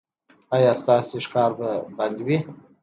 ایا ستاسو ښکار به بند وي؟